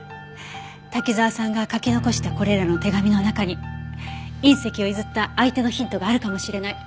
滝沢さんが書き残したこれらの手紙の中に隕石を譲った相手のヒントがあるかもしれない。